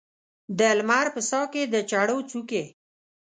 د لمر په ساه کې د چړو څوکې